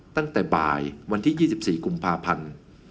ตั้งแต่บ่ายวันที่๒๔กุมภาพันธ์